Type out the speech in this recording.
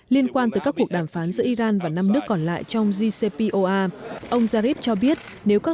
liên quan tới các cuộc đàm phán giữa iran và năm nước còn lại trong jcpoa ông zarif cho biết nếu các